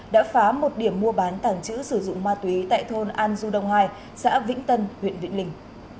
đã phá một điểm mua bán tảng chữ sử dụng ma túy tại thôn an du đông hoài xã vĩnh tân huyện vĩnh linh